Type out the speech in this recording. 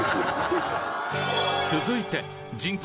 続いて人口